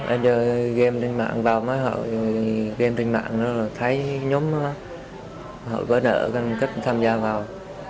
anh chơi game tên mạng vào mái hậu game tên mạng thấy nhóm hậu vỡ nợ cân cất tham gia vào